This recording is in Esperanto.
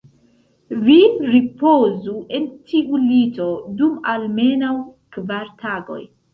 Vi ripozu en tiu lito dum almenaŭ kvar tagoj.